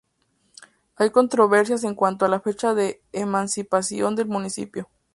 Hay controversias en cuanto a la fecha de emancipación del municipio.